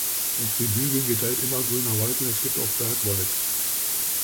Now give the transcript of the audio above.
Auf den Hügeln gedeiht immergrüner Wald und es gibt auch Bergwald.